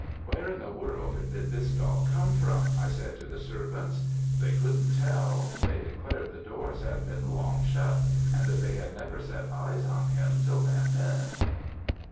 Where in the world did this dog come from? I said to the servants. They couldn't tell; they declared the doors had been long shut, and that they had never set eyes on him till that minute.'